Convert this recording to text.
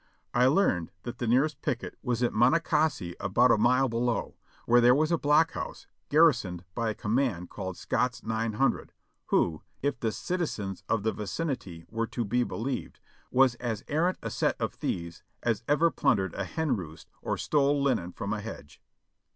I learned that the nearest picket was at Mo nocacy about a mile below, where there was a block house, gar risoned by a command called Scott's Nine Hundred, who, if the citizens of the vicinity were to be believed, were as arrant a set of thieves as ever plundered a hen roost or stole linen from a hedge.